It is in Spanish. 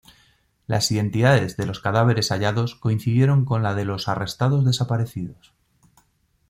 Las identidades de los cadáveres hallados coincidieron con la de los arrestados desaparecidos.